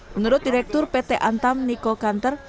menurut direktur pt antam niko kanter